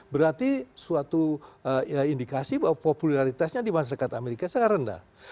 berarti suatu indikasi bahwa popularitasnya di masyarakat amerika sangat rendah